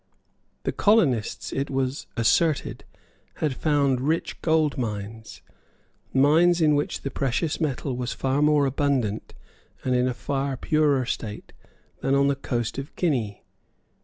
The colonists, it was asserted, had found rich gold mines, mines in which the precious metal was far more abundant and in a far purer state than on the coast of Guinea.